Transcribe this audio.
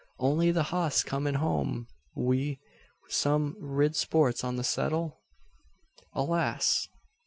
Only the hoss comin' home wi' some rid spots on the seddle?" "Alas!